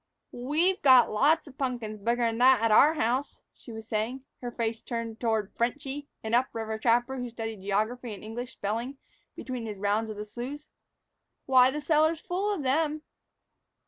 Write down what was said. "We've got lots of pumpkins bigger 'n that at our house," she was saying, her face turned toward "Frenchy," an up river trapper who studied geography and English spelling between his rounds of the sloughs. "Why, the cellar's full of 'em."